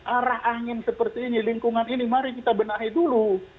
arah angin seperti ini lingkungan ini mari kita benahi dulu